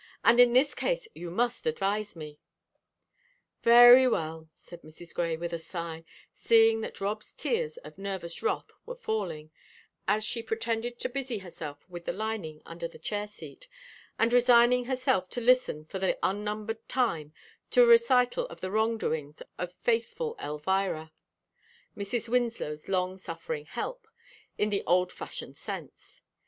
And in this case you must advise me." "Very well," said Mrs. Grey, with a sigh, seeing that Rob's tears of nervous wrath were falling, as she pretended to busy herself with the lining under the chair seat, and resigning herself to listen for the unnumbered time to a recital of the wrong doings of faithful Elvira, Mrs. Winslow's long suffering "help," in the old fashioned sense.